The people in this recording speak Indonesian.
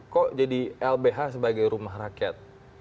kok jadi lbh sebagai rumah rakyat